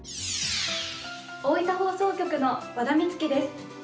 大分放送局の和田弥月です。